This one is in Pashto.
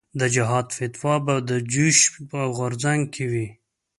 د جهاد فتوا به په جوش او غورځنګ کې وي.